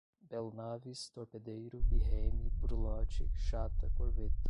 Belonaves, torpedeiro, birreme, brulote, chata, corveta